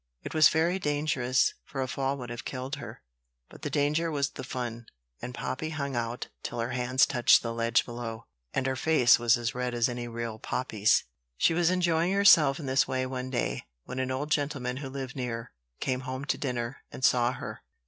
It was very dangerous, for a fall would have killed her; but the danger was the fun, and Poppy hung out till her hands touched the ledge below, and her face was as red as any real poppy's. She was enjoying herself in this way one day, when an old gentleman, who lived near, came home to dinner, and saw her.